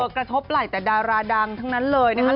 กระทบไหล่แต่ดาราดังทั้งนั้นเลยนะครับ